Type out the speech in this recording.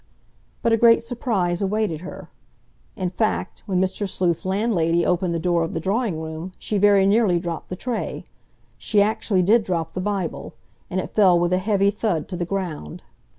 But a great surprise awaited her; in fact, when Mr. Sleuth's landlady opened the door of the drawing room she very nearly dropped the tray. She actually did drop the Bible, and it fell with a heavy thud to the ground.